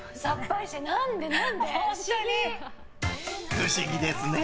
不思議ですね。